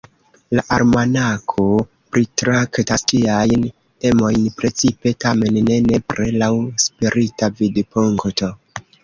La Almanako pritraktas ĉiajn temojn, precipe, tamen ne nepre, laŭ spirita vidpunkto.